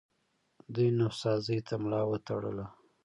دوی نوسازۍ ته ملا وتړله